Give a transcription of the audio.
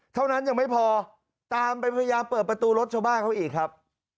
เท่านั้นยังไม่พอตามไปพยายามเปิดประตูรถชาวบ้านเขาอีกครับ